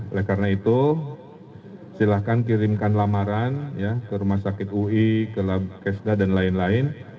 oleh karena itu silahkan kirimkan lamaran ke rumah sakit ui ke lab kesda dan lain lain